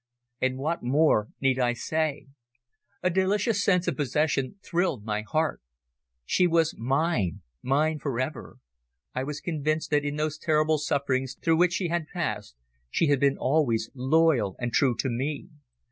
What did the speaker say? And what more need I say? A delicious sense of possession thrilled my heart. She was mine! mine for ever! I was convinced that in those terrible sufferings through which she had passed, she had been always loyal and true to me.